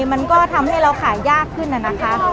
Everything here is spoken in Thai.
มันก็ทำให้เราขายยากขึ้นน่ะนะคะ